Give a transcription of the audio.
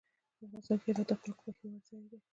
افغانستان کې هرات د خلکو د خوښې وړ ځای دی.